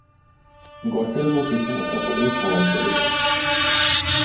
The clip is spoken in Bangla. গর্তের উপর বিছানা চাপা দিয়া শয়ন করিলেন।